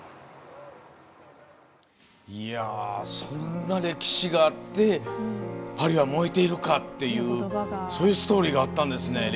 そんな歴史があって「パリは燃えているか」っていうそういうストーリーがあったんですね